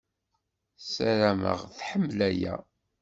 Ssaram-aɣ tḥemmel aya.